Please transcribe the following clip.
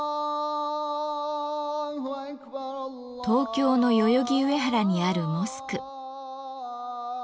東京の代々木上原にあるモスク。